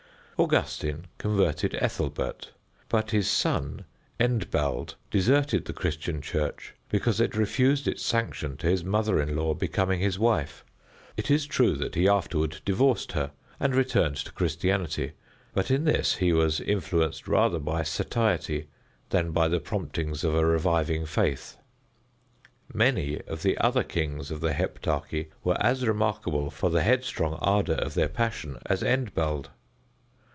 Augustine converted Ethelbert, but his son Endbald deserted the Christian Church because it refused its sanction to his mother in law becoming his wife. It is true that he afterward divorced her, and returned to Christianity, but in this he was influenced rather by satiety than by the promptings of a reviving faith. Many of the other kings of the Heptarchy were as remarkable for the headstrong ardor of their passion as Endbald.